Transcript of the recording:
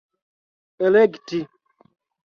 elekti